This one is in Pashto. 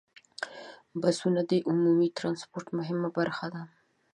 بسونه د عمومي ټرانسپورت مهمه برخه ده.